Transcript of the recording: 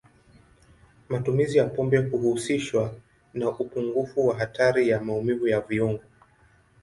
Matumizi ya pombe huhusishwa na upungufu wa hatari ya maumivu ya viungo.